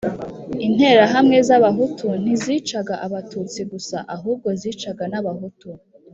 Interahamwe z Abahutu ntizicaga Abatutsi gusa ahubwo zicaga n Abahutu